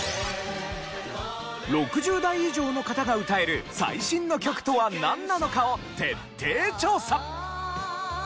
６０代以上の方が歌える最新の曲とはなんなのかを徹底調査！